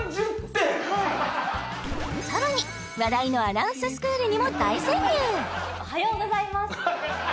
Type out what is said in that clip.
さらに話題のアナウンススクールにも大潜入！